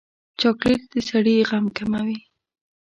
چاکلېټ د سړي غم کموي.